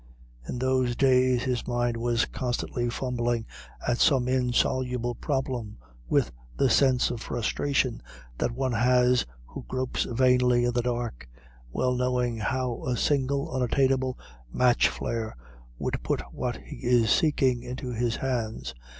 In those days his mind was constantly fumbling at some insoluble problem with the sense of frustration that one has who gropes vainly in the dark, well knowing how a single unattainable match flare would put what he is seeking into his hands.